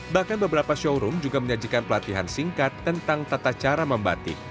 bahkan beberapa showroom juga menyajikan pelatihan singkat tentang tata cara membatik